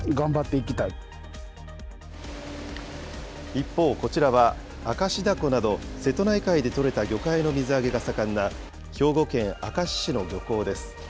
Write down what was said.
一方、こちらは、明石だこなど瀬戸内海で取れた魚介の水揚げが盛んな、兵庫県明石市の漁港です。